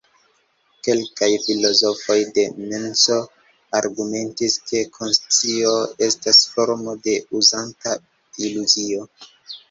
Kelkaj filozofoj de menso argumentis ke konscio estas formo de uzanta iluzio.